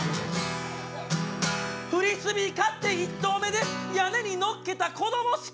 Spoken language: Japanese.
「フリスビー買って１投目で屋根に載っけた子ども好き」